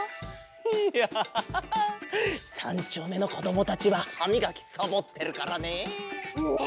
いや３ちょうめのこどもたちははみがきサボってるからね！ね！